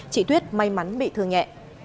chỉ tuyết may mắn bị thừa nhẹ